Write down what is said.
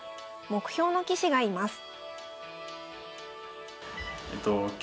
目標の棋士がいます。